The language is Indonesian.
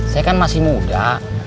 saya kan masih muda